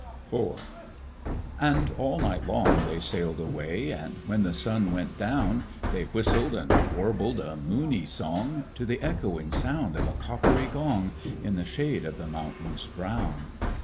IV. And all night long they sailed away; And when the sun went down, They whistled and warbled a moony song To the echoing sound of a coppery gong, In the shade of the mountains brown.